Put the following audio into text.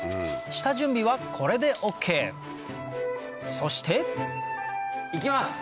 下準備はこれでＯＫそして行きます！